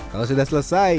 kalau sudah selesai